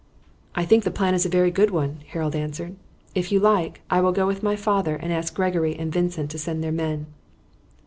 "I think the plan is a very good one," Harold answered. "If you like, I will go with my father and ask Gregory and Vincent to send their men."